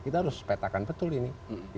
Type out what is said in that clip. kita harus petakan betul ini